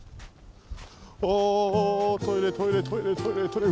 おおトイレトイレトイレトイレトイレ。